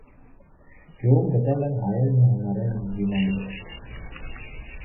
Գյուղում գտել են հայերն և հունարեն վիմագրեր։